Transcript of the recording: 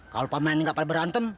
kalau pemain ini gak pada berantem